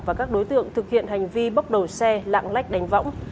và các đối tượng thực hiện hành vi bốc đầu xe lạng lách đánh võng